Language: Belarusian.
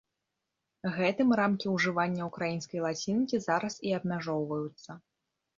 Гэтым рамкі ўжывання ўкраінскай лацінкі зараз і абмяжоўваюцца.